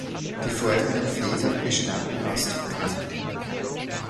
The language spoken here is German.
Die vorderen Federn bestanden aus Titan.